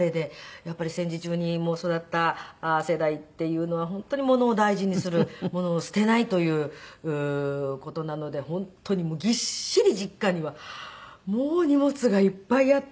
やっぱり戦時中に育った世代っていうのは本当にものを大事にするものを捨てないという事なので本当にぎっしり実家にはもう荷物がいっぱいあって。